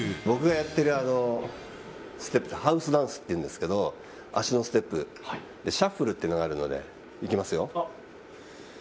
僕がやってるステップでハウスダンスっていうんですけど足のステップでシャッフルっていうのがあるのでいきますよ。